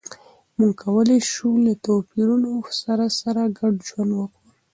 موږ کولای شو له توپیرونو سره سره ګډ ژوند وکړو.